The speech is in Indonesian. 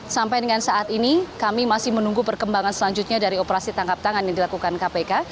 sampai dengan saat ini kami masih menunggu perkembangan selanjutnya dari operasi tangkap tangan yang dilakukan kpk